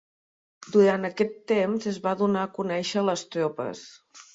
Durant aquest temps es va donar a conèixer a les tropes.